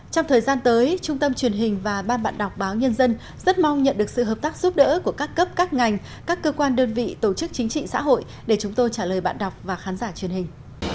trong thời gian tới trung tâm truyền hình và ban bạn đọc báo nhân dân rất mong nhận được sự hợp tác giúp đỡ của các cấp các ngành các cơ quan đơn vị tổ chức chính trị xã hội để chúng tôi trả lời bạn đọc và khán giả truyền hình